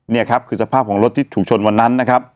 นี่คือสภาพของรถที่ถูกชนวันนั้น